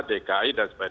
dki dan sebagainya